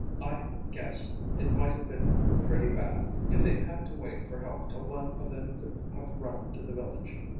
I guess it might have been pretty bad if they'd had to wait for help till one of them could have run to the village.